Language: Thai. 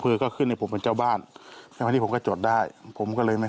เฟลย์ก็ขึ้นให้ผมเป็นเจ้าบ้านที่ผมก็จดได้ผมก็เลยไม่